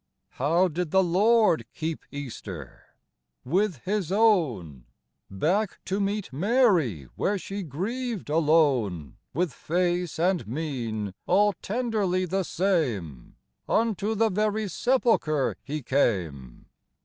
How did the Lord keep Easter ? With His own ! Back to meet Mary where she grieved alone ; With face and mien all tenderly the same, Unto the very sepulchre He came.